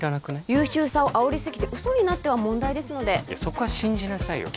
優秀さをあおりすぎて嘘になっては問題ですのでいやそこは信じなさいよ